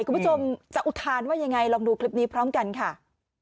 คุณผู้ชมจะอุทานว่ายังไงลองดูคลิปนี้พร้อมกันค่ะ